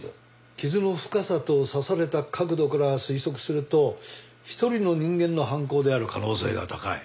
傷の深さと刺された角度から推測すると１人の人間の犯行である可能性が高い。